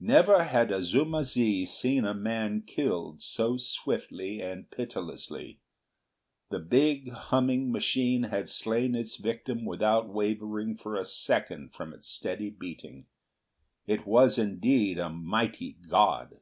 Never had Azuma zi seen a man killed so swiftly and pitilessly. The big humming machine had slain its victim without wavering for a second from its steady beating. It was indeed a mighty god.